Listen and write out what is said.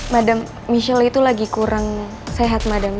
madam michelle itu lagi kurang sehat madam